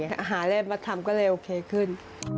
หาอะไรมาทำก็เลยโอเคขึ้น